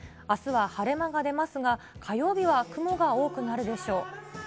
あすは晴れ間が出ますが、火曜日は雲が多くなるでしょう。